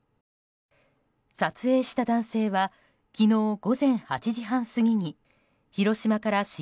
撮影した男性は昨日午前８時半過ぎに広島から新